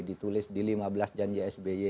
ditulis di lima belas janji sby